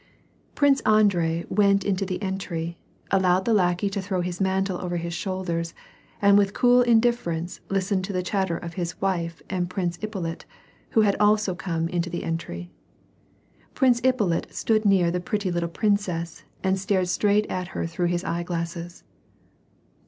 Prince Andrei went into the entry, allowed the lackey to throw his mantle over his shoulders, and with cool indiffer ence listened to the chatter of his wife and Prince Ippolit, who had also come into the entry. Prince Ippolit stood near the pretty little princess, and stared straight at her through his eyeglasses.